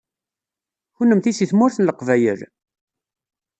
Kennemti seg Tmurt n Leqbayel?